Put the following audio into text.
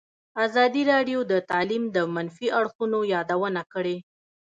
ازادي راډیو د تعلیم د منفي اړخونو یادونه کړې.